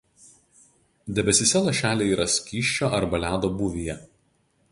Debesyse lašeliai yra skysčio arba ledo būvyje.